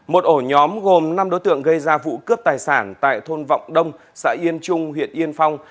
một ổ nhóm gồm năm đối tượng gây ra vụ cướp tài sản tại thôn vọng đông xã yên trung huyện yên phong